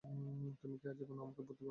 তুমি কি আজীবন আমাকে পুতুল বানিয়ে রাখতে চাও?